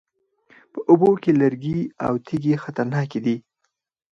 په اوبو کې لرګي او تیږې خطرناکې دي